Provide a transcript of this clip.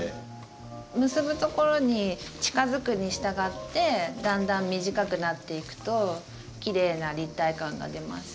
結ぶところに近づくにしたがってだんだん短くなっていくときれいな立体感が出ます。